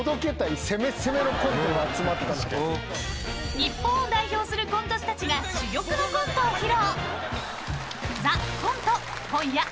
［日本を代表するコント師たちが珠玉のコントを披露］